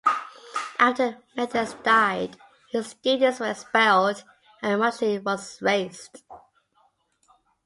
After Methodius died, his students were expelled and the monastery was razed.